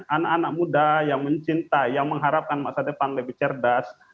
anak anak muda yang mencintai yang mengharapkan masa depan lebih cerdas